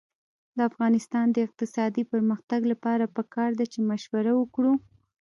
د افغانستان د اقتصادي پرمختګ لپاره پکار ده چې مشوره وکړو.